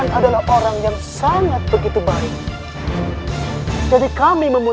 tidak ada yang tidak mungkin